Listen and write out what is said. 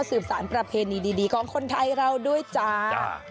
สารประเพณีดีของคนไทยเราด้วยจ้า